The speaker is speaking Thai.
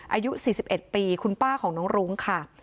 อายุสี่สิบเอ็ดปีคุณป้าของน้องรุ้งค่ะ